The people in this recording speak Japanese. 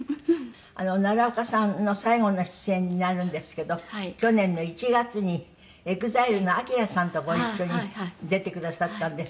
奈良岡さんの最後の出演になるんですけど去年の１月にＥＸＩＬＥのＡＫＩＲＡさんとご一緒に出てくださったんです。